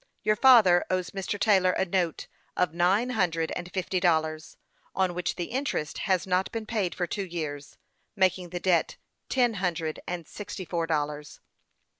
" Your father owes Mr. Taylor a note of nine hundred and fifty dollars, on which the interest has not been paid for two years, making the debt ten hundred and sixty four dollars."